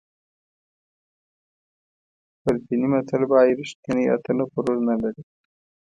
فلپیني متل وایي ریښتینی اتل غرور نه لري.